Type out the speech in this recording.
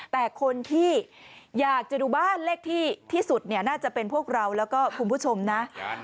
แต่คนที่อยากจะดูบ้านเลขที่สุดน่าจะเป็นพวกเราก็คุณผู้ชมนะ